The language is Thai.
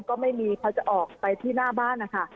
ก็ไม่มีเพราะจะออกไปที่หน้าบ้าน